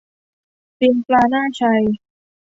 ตีปลาหน้าไซ